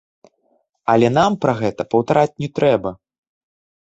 Але нам пра гэта паўтараць не трэба.